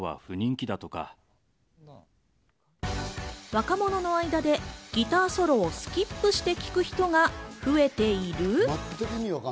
若者の間でギターソロをスキップして聴く人が増えている！？